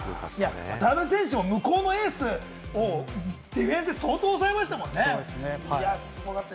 渡邊選手も向こうのエースをディフェンスで相当抑えましたもんね。